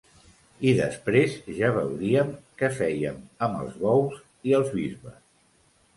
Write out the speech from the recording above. I després, ja veuríem què fèiem amb els bous i els bisbes.